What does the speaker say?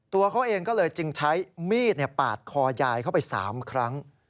ตัวเขาเองก็เลยจึงใช้มีดปาดคอยายเข้าไป๓ครั้ง